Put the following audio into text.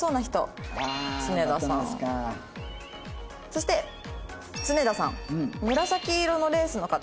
そして常田さん「紫色のレースの方」。